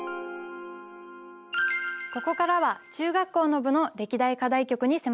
ここからは中学校の部の歴代課題曲に迫ります。